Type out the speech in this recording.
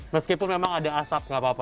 meskipun memang ada asap nggak apa apa